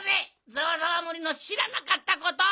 ざわざわ森のしらなかったこと！